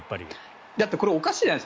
だってこれおかしいじゃない。